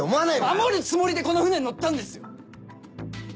守るつもりでこの船に乗ったんですよ！